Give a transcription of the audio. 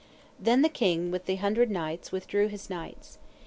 Then the King with the Hundred Knights withdrew his knights.